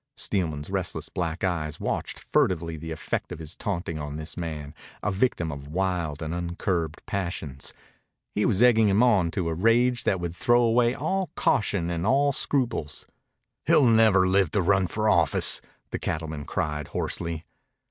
Steelman's restless black eyes watched furtively the effect of his taunting on this man, a victim of wild and uncurbed passions. He was egging him on to a rage that would throw away all caution and all scruples. "He'll never live to run for office!" the cattleman cried hoarsely.